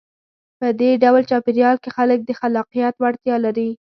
په دې ډول چاپېریال کې خلک د خلاقیت وړتیا لري.